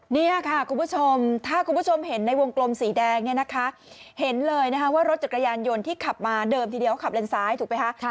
นี่ค่ะคุณผู้ชมถ้าคุณผู้ชมเห็นในวงกลมสีแดงเนี่ยนะคะเห็นเลยนะคะว่ารถจักรยานยนต์ที่ขับมาเดิมทีเดียวเขาขับเลนซ้ายถูกไหมคะ